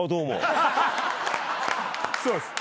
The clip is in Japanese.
そうです。